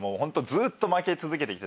ずーっと負け続けてきてたんで。